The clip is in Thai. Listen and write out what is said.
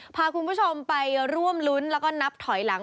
พาคุณผู้ชมไปร่วมรุ้นแล้วก็นับถอยหลัง